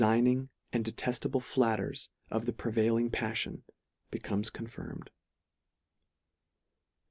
figning and deteftable flatters of the prevail ing paflion, becomes confirmed.